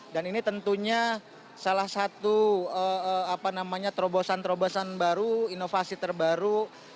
dan ini tentunya salah satu terobosan terobosan baru inovasi terbaru